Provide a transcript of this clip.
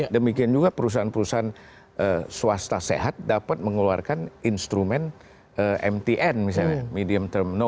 demikian juga perusahaan perusahaan swasta sehat dapat mengeluarkan instrumen mtn misalnya medium term know